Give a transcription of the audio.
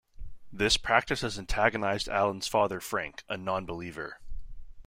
This practice has antagonized Alan's father Frank, a non-believer.